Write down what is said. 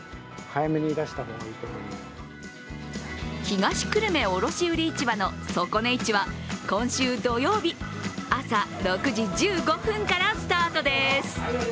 東久留米卸売市場の底値市は今週土曜日、朝６時１５分からスタートです。